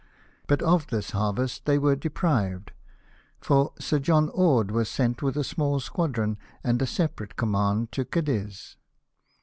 But of this harvest they were de prived, for Sir John Orde was sent with a small squadron, and a separate command, to Cadiz.